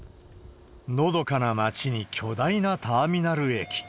のどかな町に巨大なターミナル駅。